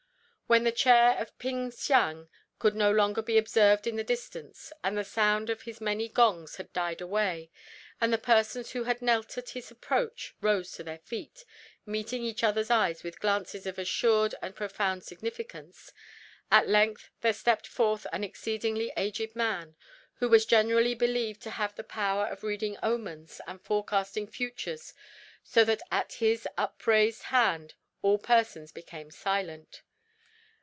When the chair of Ping Siang could no longer be observed in the distance, and the sound of his many gongs had died away, all the persons who had knelt at his approach rose to their feet, meeting each other's eyes with glances of assured and profound significance. At length there stepped forth an exceedingly aged man, who was generally believed to have the power of reading omens and forecasting futures, so that at his upraised hand all persons became silent.